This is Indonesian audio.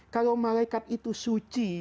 kalo malaikat itu suci